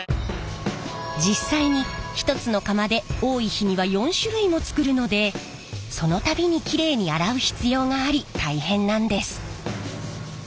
実際に１つの釜で多い日には４種類も作るのでその度にキレイに洗う必要があり大変なんです。